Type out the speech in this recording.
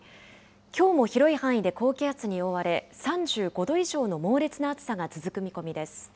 きょうも広い範囲で高気圧に覆われ、３５度以上の猛烈な暑さが続く見込みです。